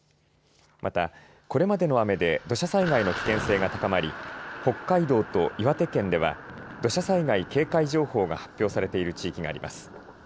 また、これまでの雨で土砂災害の危険性が高まり北海道と岩手県では土砂災害警戒情報が発表されている地域があります。